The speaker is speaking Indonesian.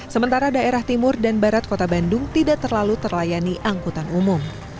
sementara daerah timur dan barat kota bandung tidak terlalu terlayani angkutan umum